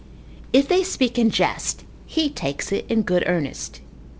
If they speak in jest, he takes it in good earnest.